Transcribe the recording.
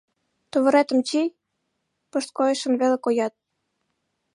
Тувыретым чий, пышткойшын веле коят.